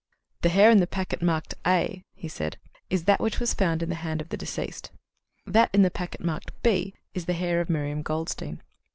"The hair in the packet marked A," said he, "is that which was found in the hand of the deceased; that in the packet marked B is the hair of Miriam Goldstein."